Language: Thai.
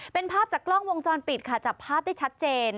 เป็นภาพจากกล้องวงจรปิดค่ะจับภาพได้ชัดเจน